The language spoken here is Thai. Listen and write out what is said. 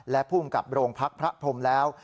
และผู้กับโรงพรรคพระพรหมแล้ว